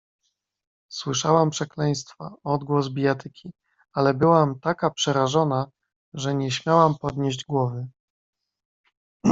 "Słyszałam przekleństwa, odgłos bijatyki, ale byłam taka przerażona, że nie śmiałam podnieść głowy."